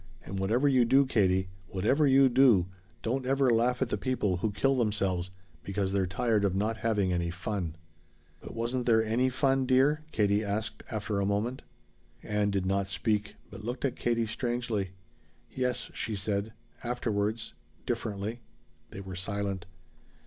And whatever you do, Katie whatever you do don't ever laugh at the people who kill themselves because they're tired of not having any fun!" "But wasn't there any fun, dear?" Katie asked after a moment. Ann did not speak, but looked at Katie strangely. "Yes," she said. "Afterwards. Differently." They were silent.